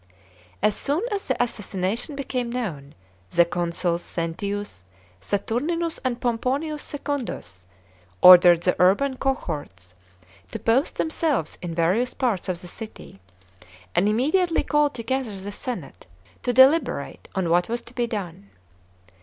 As soon as the assassination became known, the consuls Sentius Saturninus and Pomponius Secundus ordered the urban cohorts to post themsdves in various parts of the city, and immediately called together the senate to deliberate on what was to be done.